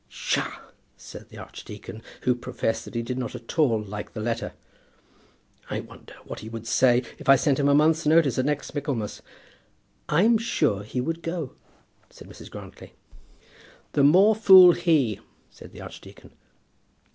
"Psha!" said the archdeacon, who professed that he did not at all like the letter. "I wonder what he would say if I sent him a month's notice at next Michaelmas?" "I'm sure he would go," said Mrs. Grantly. "The more fool he," said the archdeacon.